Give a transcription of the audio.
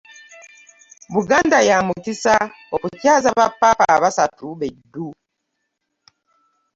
Yuganda ya mukisa okukyaza ba ppaapa abasatu be ddu!